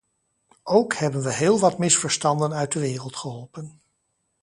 Ook hebben we heel wat misverstanden uit de wereld geholpen.